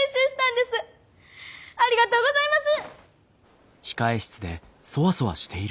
ありがとうございます。